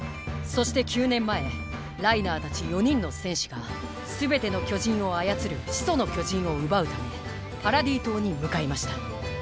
そして９年前ライナーたち４人の戦士がすべての巨人を操る「始祖の巨人」を奪うためパラディ島に向かいました。